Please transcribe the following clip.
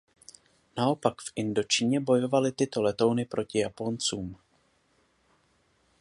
Naopak v Indočíně bojovaly tyto letouny proti Japoncům.